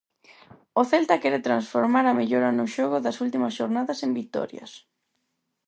O Celta quere transformar a mellora no xogo das últimas xornadas en vitorias.